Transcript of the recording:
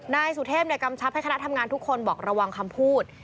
นายสุเทพกำชับให้คณะทำงานทุกคนบอกระวังคำพูด